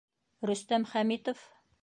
Рөстәм Хәмитов: